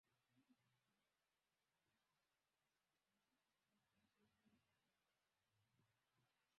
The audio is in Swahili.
walinzi Halmashauri ya Walinzi wa Katiba ni chombo muhimu